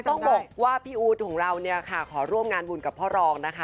ต้องบอกว่าพี่อู๋อูทของเราขอร่วมงานบุญกับพ่อรองด์นะคะ